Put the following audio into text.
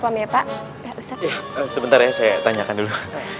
pemepa ustadz sebentar ya saya tanyakan dulu